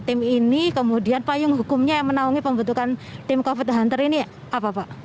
tim ini kemudian payung hukumnya yang menaungi pembentukan tim covid hunter ini apa pak